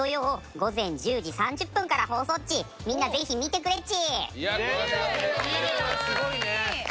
みんなぜひ見てくれッチ！